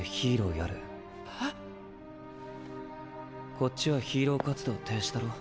こっちはヒーロー活動停止だろ。